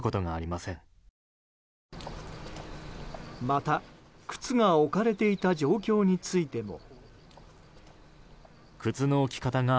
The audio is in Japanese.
また、靴が置かれていた状況についても。